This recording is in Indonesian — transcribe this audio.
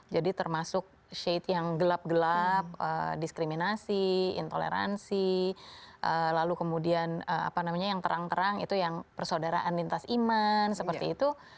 jadi termasuk shade yang gelap gelap diskriminasi intoleransi lalu kemudian apa namanya yang terang terang itu yang persaudaraan lintas iman seperti itu